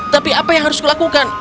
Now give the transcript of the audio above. tapi apa yang harus kulakukan